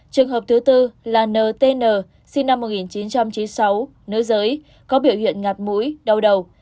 trường hợp thứ tư là ntn sinh năm một nghìn chín trăm chín mươi sáu nữ giới có biểu hiện ngặt mũi đau đầu